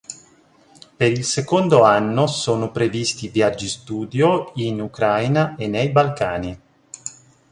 Per il secondo anno sono previsti viaggi studio in Ucraina e nei Balcani.